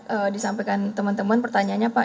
apa disampaikan teman teman pertanyaannya pak